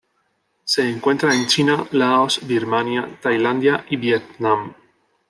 Se encuentra en China, Laos, Birmania, Tailandia, y Vietnam.